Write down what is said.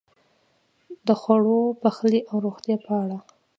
د خوړو، پخلی او روغتیا په اړه: